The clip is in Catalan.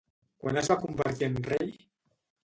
Quan es va convertir en rei?